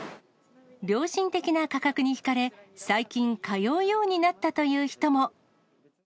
良心的な価格に引かれ、最近通うようになったという人も。